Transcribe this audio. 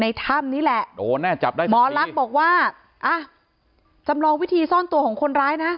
ถ้ำนี่แหละโดนแน่จับได้ไหมหมอลักษณ์บอกว่าอ่ะจำลองวิธีซ่อนตัวของคนร้ายนะ